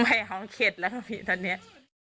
ไม่เอาเขาเข็ดแล้วตอนนี้